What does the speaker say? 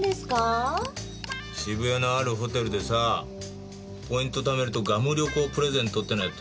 渋谷のあるホテルでさあポイント貯めるとグアム旅行プレゼントってのやってんだ。